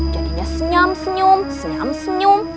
jadinya senyam senyum senyam senyum